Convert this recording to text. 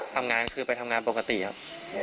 ทำงานคือไปทำงานปกติครับ